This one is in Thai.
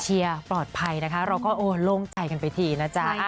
เชียร์ปลอดภัยนะคะเราก็โล่งใจกันไปทีนะจ๊ะ